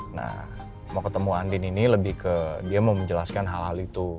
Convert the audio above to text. nah mau ketemu andin ini lebih ke dia mau menjelaskan hal hal itu